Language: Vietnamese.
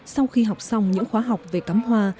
sau khi học xong những khóa học về cắm hoa